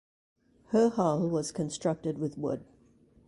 Her hull was constructed with wood.